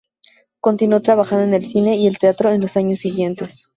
Continuó trabajando en el cine y el teatro en los años siguientes.